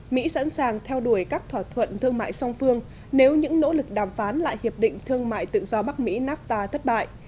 mỹ sẵn sàng theo đuổi các thỏa thuận thương mại song phương nếu những nỗ lực đàm phán lại hiệp định thương mại tự do bắc mỹ nafta thất bại